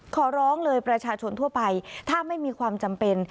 ขอร้องเลยประชาชนทั่วไปถ้าไม่มีความจำเป็น